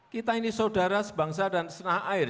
kita ini saudara sebangsa dan senah air